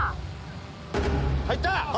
入った！